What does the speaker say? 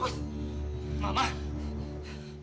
pak jangan mengulang